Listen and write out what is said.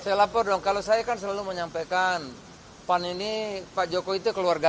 saya lapor dong kalau saya kan selalu menyampaikan pan ini pak jokowi itu keluarga